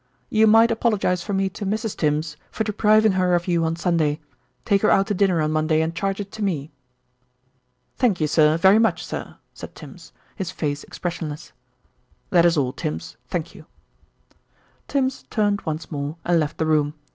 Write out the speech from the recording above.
"You might apologise for me to Mrs. Tims for depriving her of you on Sunday. Take her out to dinner on Monday and charge it to me." "Thank you, sir, very much, sir," said Tims, his face expressionless. "That is all, Tims, thank you." Tims turned once more and left the room.